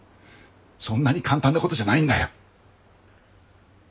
そんなに簡単なことじゃないんだよ。